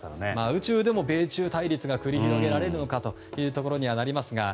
宇宙でも米中対立が繰り広げられるのかということになりますが。